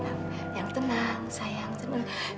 evita gak terlalu dikakuin begini